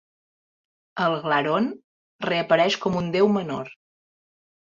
El "Glaroon" reapareix com un deu menor.